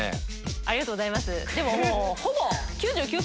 ありがとうございますでも。